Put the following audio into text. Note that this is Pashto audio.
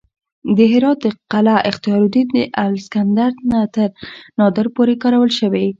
د هرات د قلعه اختیارالدین د الکسندر نه تر نادر پورې کارول شوې